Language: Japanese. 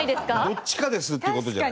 どっちかですっていう事じゃない？